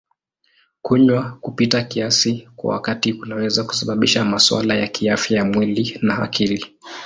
Kunywa kupita kiasi kwa wakati kunaweza kusababisha masuala ya kiafya ya mwili na akili.